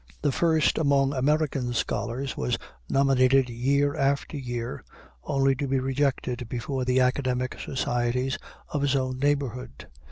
The first among American scholars was nominated year after year, only to be rejected, before the academic societies of his own neighborhood.